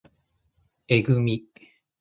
えぐみ